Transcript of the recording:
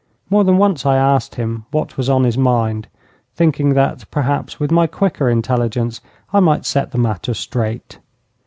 More than once I asked him what was on his mind, thinking that, perhaps, with my quicker intelligence I might set the matter straight.